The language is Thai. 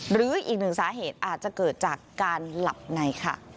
หรืออีกหนึ่งสาเหตุอาจจะเกิดจากการหลับในค่ะ